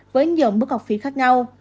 với nhiều mức học phí khác nhau